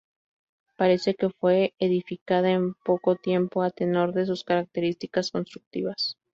Parece que fue edificada en poco tiempo, a tenor de sus características constructivas.